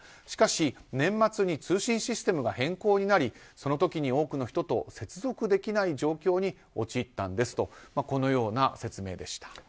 しかし、年末に通信システムが変更になりその時に多くの人と接続できない状況に陥ったんですとこのような説明でした。